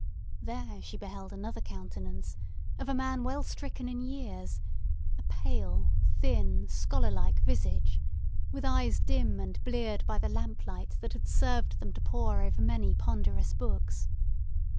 There she beheld another countenance, of a man well stricken in years, a pale, thin, scholar like visage, with eyes dim and bleared by the lamp light that had served them to pore over many ponderous books.